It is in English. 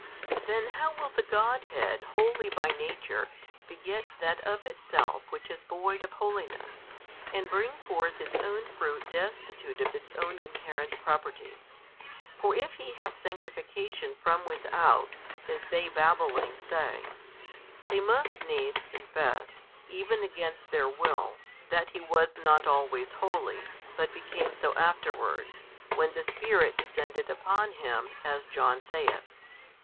Then how will the Godhead Holy by Nature beget that of Itself which is void of holiness, and bring forth Its own Fruit destitute of Its own inherent Properties? For if He hath sanctification from without, as they babbling say; they must needs confess, even against their will, that He Was not always holy, but became so afterwards, when the Spirit descended upon Him, as John saith.